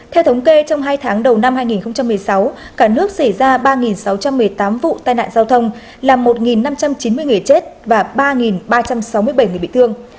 theo thống kê trong hai tháng đầu năm hai nghìn một mươi sáu cả nước xảy ra ba sáu trăm một mươi tám vụ tai nạn giao thông làm một năm trăm chín mươi người chết và ba ba trăm sáu mươi bảy người bị thương